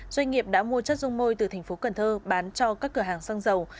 doanh nghiệp đã mua chất dung môi từ thành phố cần thơ bán cho các cửa hàng xăng dầu